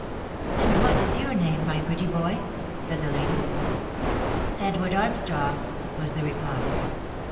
" And what is your name, my pretty boy ?" said the lady. " Edward Armstrong," was the reply.